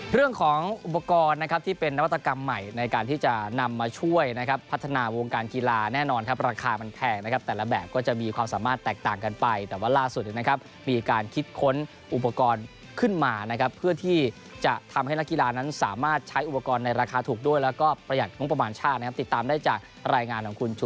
เรื่องของอุปกรณ์นะครับที่เป็นนวัตกรรมใหม่ในการที่จะนำมาช่วยนะครับพัฒนาวงการกีฬาแน่นอนครับราคามันแพงนะครับแต่ละแบบก็จะมีความสามารถแตกต่างกันไปแต่ว่าล่าสุดนะครับมีการคิดค้นอุปกรณ์ขึ้นมานะครับเพื่อที่จะทำให้นักกีฬานั้นสามารถใช้อุปกรณ์ในราคาถูกด้วยแล้วก็ประหยัดงบประมาณชาตินะครับติดตามได้จากรายงานของคุณช